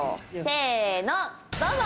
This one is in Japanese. せーのどうぞ！